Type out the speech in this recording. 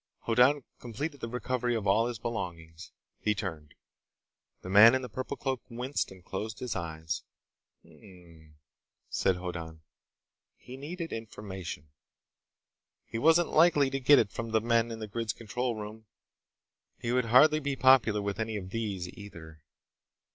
Hoddan completed the recovery of all his belongings. He turned. The man in the purple cloak winced and closed his eyes. "Hm m m," said Hoddan. He needed information. He wasn't likely to get it from the men in the grid's control room. He would hardly be popular with any of these, either.